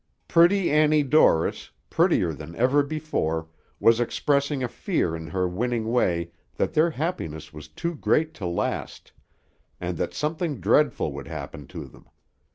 Pretty Annie Dorris, prettier than ever before, was expressing a fear in her winning way that their happiness was too great to last, and that something dreadful would happen to them.